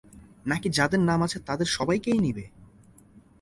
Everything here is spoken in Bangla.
নাকি যাদের নাম আছে তাদের সবাইকেই নিবে?